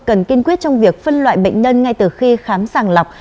cần kiên quyết trong việc phân loại bệnh nhân ngay từ khi khám sàng lọc